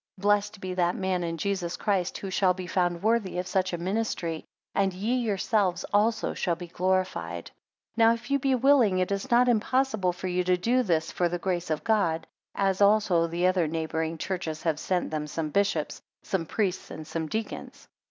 2 Blessed be that man in Jesus, Christ, who shall be found worthy of such a ministry; and ye yourselves also shall be glorified. 3 Now if you be willing, it is not impossible for you to do this for the grace of God; as also the other neighbouring churches have sent them some bishops, some priests and some deacons.